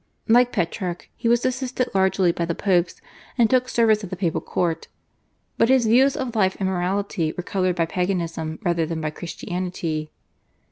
Like Petrarch, he was assisted largely by the Popes, and took service at the papal court. But his views of life and morality were coloured by Paganism rather than by Christianity.